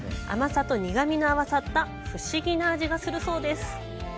甘さと苦味の合わさった不思議な味がするそうです。